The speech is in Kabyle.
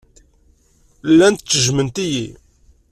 Llant ttejjment-iyi.